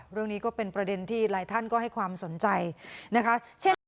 เรื่องนี้ก็เป็นประเด็นที่หลายท่านก็ให้ความสนใจนะคะเช่น